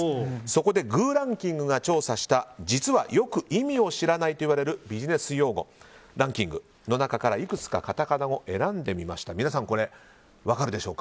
そこでｇｏｏランキングが調査した実はよく意味を知らないといわれるビジネス用語ランキングの中からいくつかカタカナ語を選んでみました。